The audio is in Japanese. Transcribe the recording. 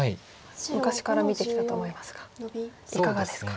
昔から見てきたと思いますがいかがですか？